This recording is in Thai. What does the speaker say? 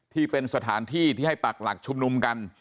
ที่เป็นสถานที่ที่ให้ปักหลักชุมนุมกัน